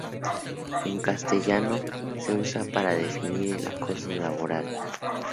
En castellano se usa para definir el acoso laboral.